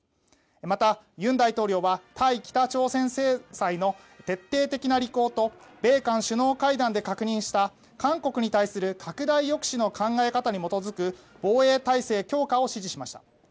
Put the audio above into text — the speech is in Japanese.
また尹大統領は対北朝鮮制裁の徹底的な履行と米韓首脳会談で確認した韓国に対する拡大抑止の考え方に基づく防衛態勢強化を指示しました。